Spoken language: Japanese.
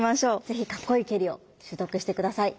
是非かっこいい蹴りを習得して下さい。